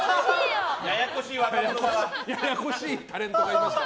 ややこしいタレントがいます。